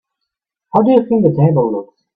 How do you think the table looks?